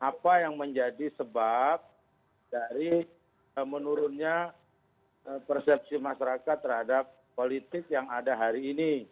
apa yang menjadi sebab dari menurunnya persepsi masyarakat terhadap politik yang ada hari ini